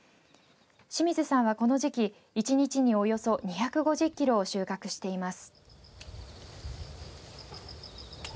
清水さんは、この時期一日におよそ２５０キロを収穫しています。